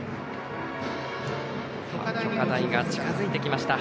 炬火台が近づいてきました。